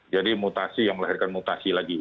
jadi mutasi yang melahirkan mutasi lagi